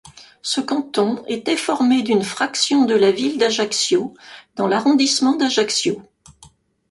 Ce canton était formé d'une fraction de la ville d'Ajaccio dans l'arrondissement d'Ajaccio.